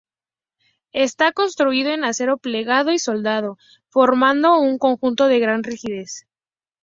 Está construido en acero plegado y soldado, formando un conjunto de gran rigidez.